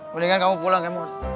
mendingan kamu pulang ya mod